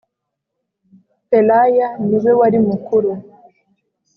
pelaya niwe warimukuru.